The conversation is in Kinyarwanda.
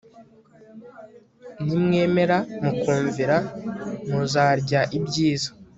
nimwemera mukumvira muzarya ibyiza